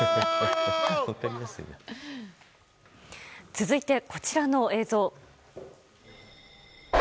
続いてこちらの映像。